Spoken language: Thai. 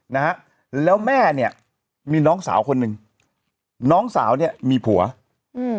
นะฮะแล้วแม่เนี้ยมีน้องสาวคนหนึ่งน้องสาวเนี้ยมีผัวอืม